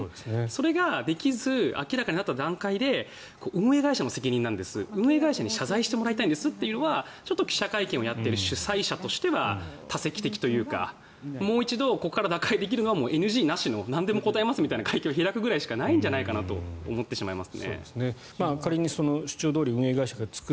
それができず明らかになった段階で運営会社の責任なんです運営会社に謝罪してもらいたいんですというのは記者会見をやっている会社としては他責的というかもう一度ここから打開できるのはＮＧなしのなんでも答えますという会見を開くくらいしかないんじゃないかなと思ってしまいます。